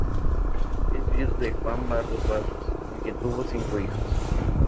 Es viuda de Juan Barros Barros, con quien tuvo cinco hijos.